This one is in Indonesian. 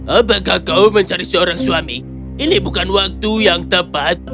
apakah kau mencari seorang suami ini bukan waktu yang tepat